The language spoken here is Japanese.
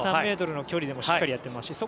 ２３ｍの距離でもしっかりやってますし。